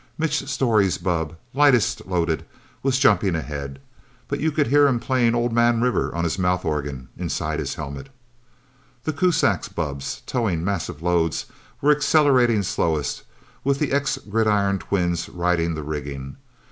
Mitch Storey's bubb, lightest loaded, was jumping ahead. But you could hear him playing Old Man River on his mouth organ, inside his helmet. The Kuzaks' bubbs, towing massive loads, were accelerating slowest, with the ex gridiron twins riding the rigging.